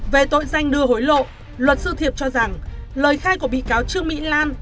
về tội danh đưa hối lộ luật sư thiệp cho rằng lời khai của bị cáo trương mỹ lan